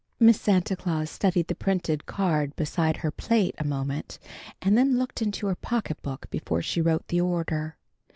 Miss Santa Claus studied the printed card beside her plate a moment, and then looked into her pocketbook before she wrote the order.